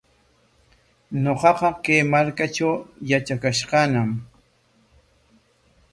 Ñuqaqa kay markatraw yatrakash kaañam.